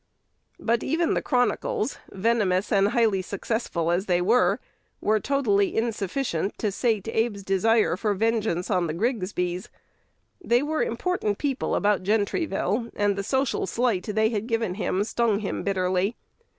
But even "The Chronicles," venomous and highly successful as they were, were totally insufficient to sate Abe's desire for vengeance on the Grigsbys. They were important people about Gentryville, and the social slight they had given him stung him bitterly.